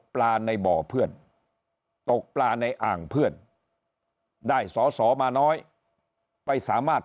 ปลาในบ่อเพื่อนตกปลาในอ่างเพื่อนได้สอสอมาน้อยไปสามารถ